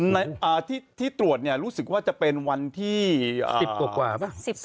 ในอ่าที่ที่ตรวจเนี้ยรู้สึกว่าจะเป็นวันที่อ่าสิบต้นต้นเลยไหมครับ